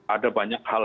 ada banyak hal